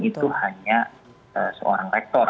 itu hanya seorang rektor